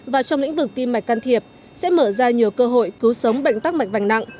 và trong lĩnh vực tim mạch can thiệp sẽ mở ra nhiều cơ hội cứu sống bệnh tắc mạch vành nặng